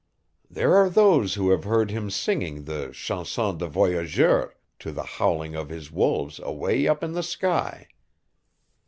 There are those who have heard him singing the Chanson de Voyageur to the howling of his wolves away up in the sky.